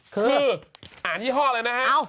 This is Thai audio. คืออ่านยี่ห้อเลยนะฮะ